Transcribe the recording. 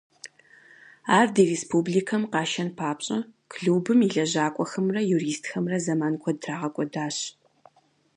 Ар ди республикэм къашэн папщӀэ, клубым и лэжьакӀуэхэмрэ юристхэмрэ зэман куэд трагъэкӀуэдащ.